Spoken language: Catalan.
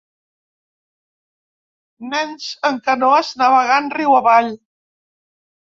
Nens en canoes navegant riu avall.